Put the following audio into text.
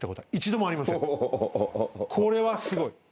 これはすごい。